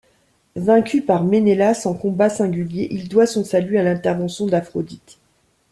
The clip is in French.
Vaincu par Ménélas en combat singulier, il doit son salut à l'intervention d'Aphrodite.